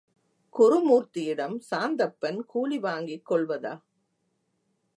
குருமூர்த்தியிடம் சாந்தப்பன் கூலி வாங்கிக் கொள்வதா?